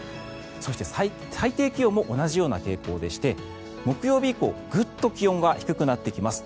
そして最低気温も同じような傾向でして木曜日以降ぐっと気温が低くなってきます。